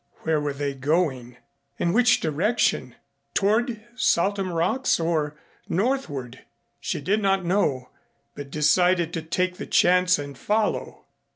Where were they going? In which direction? Toward Saltham Rocks or northward? She did not know, but decided to take the chance and follow.